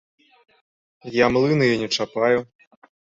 Я млына і не чапаю.